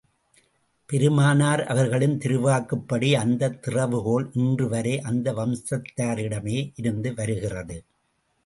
பெருமானார் அவர்களின் திருவாக்குப்படி, அந்தத் திறவு கோல் இன்று வரை அந்த வம்சத்தாரிடமே இருந்து வருகிறது.